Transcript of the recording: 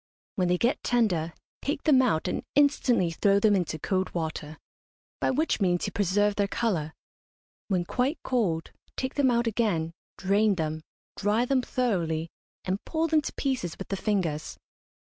When they get tender take them out and instantly throw them into cold water, by which means you preserve their colour. When quite cold, take them out again, drain them, dry them thoroughly, and pull them to pieces with the fingers.